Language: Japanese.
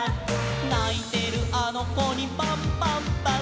「ないてるあのこにパンパンパン」